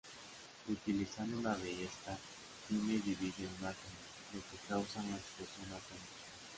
Utilizando una ballesta, Timmy divide un átomo, lo que causa una explosión atómica.